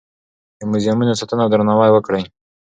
د موزیمونو ساتنه او درناوی وکړئ.